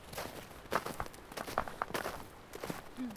Mama yangu asha kwanza ku jenga zamani